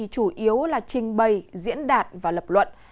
chủ yếu là trình bày diễn đạt và lập luận